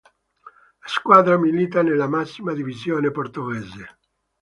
La squadra milita nella massima divisione portoghese.